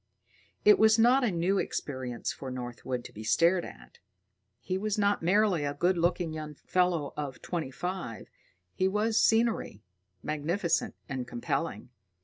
It was not a new experience for Northwood to be stared at: he was not merely a good looking young fellow of twenty five, he was scenery, magnificent and compelling.